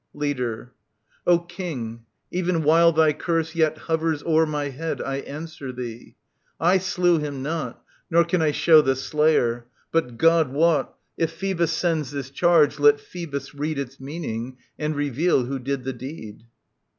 Leader. O King, even while thy curse yet hovers o'er My head, I answer thee. I slew him not, Nor can I shew the slayer. But, God wot. If Phoebus sends this charge, let Phoebus read Its meaning and reveal who did the deed.